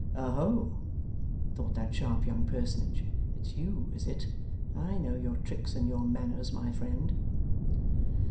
'Oho!' thought that sharp young personage, 'it's you, is it? I know your tricks and your manners, my friend!